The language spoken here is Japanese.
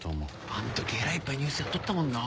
あん時えらいいっぱいニュースやっとったもんな。